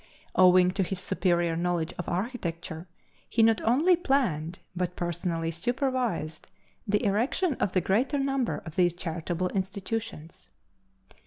Owing to his superior knowledge of architecture, he not only planned but personally supervised the erection of the greater number of these charitable institutions.